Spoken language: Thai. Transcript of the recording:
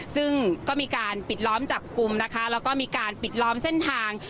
ซึ่งก็มีการปิดล้อมจับกลุ่มนะคะแล้วก็มีการปิดล้อมเส้นทาง